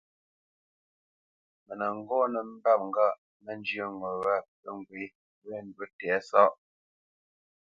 Mə nə́ ŋgɔ́ nə́ mbâp ŋgâʼ mə́ njyə́ ŋo wâ pə́ ŋgwê wé ndǔ tɛ̌sáʼ.